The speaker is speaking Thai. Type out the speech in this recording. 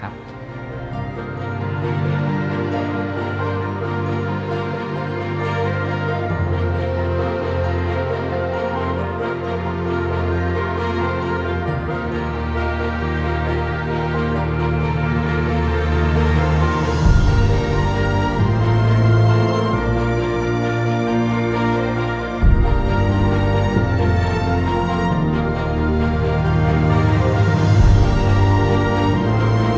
โปรดติดตามตอนต่อไป